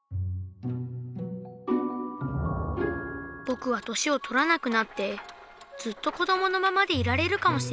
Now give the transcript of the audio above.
ぼくは年をとらなくなってずっとこどものままでいられるかもしれない。